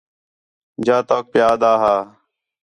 جا تؤک پِیا آہدا ہا